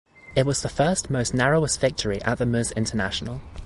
It was the first most narrowest victory at the Ms. International.